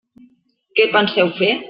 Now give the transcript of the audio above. Què penseu fer?